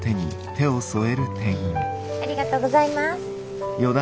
ありがとうございます。